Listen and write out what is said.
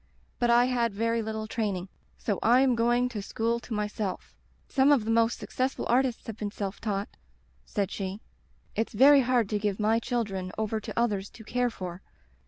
But I had very little training. So I am going to school to myself. Some of the most success ful artists have been self taught/ said she. *It's very hard to give my children over to others to care for.